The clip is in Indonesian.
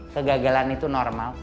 kegagalan itu normal